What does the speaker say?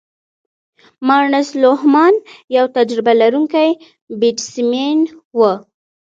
مارنس لوهمان یو تجربه لرونکی بیټسمېن وو.